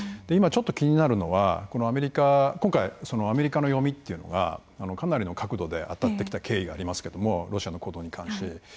今ちょっと気になるのは今回アメリカの読みっていうのがかなりの確度で当たってきた経緯がありますけどもロシアの行動に関して。